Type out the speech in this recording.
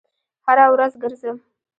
هره ورځ ګرځم